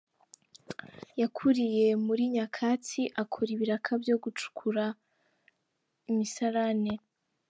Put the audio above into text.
Yakuriye muri nyakatsi akora ibiraka byo gucukura imisarane .